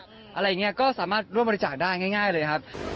อะไรอย่างนี้ก็สามารถร่วมบริจาคได้ง่ายเลยครับ